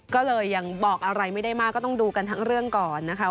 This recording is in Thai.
ก็เลยยังบอกอะไรไม่ได้มากก็ต้องดูกันทั้งเรื่องก่อนนะคะ